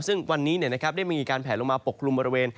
ซึ่งวันนี้ได้มีการแผลลงมาปกคลุมบริเวณ